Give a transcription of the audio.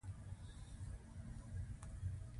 رینالډي وویل: ته خو سبا له خیره له دې ځایه ځې، رخصت کېږې.